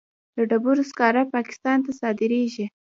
د ډبرو سکاره پاکستان ته صادریږي